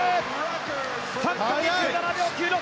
３分２７秒９６。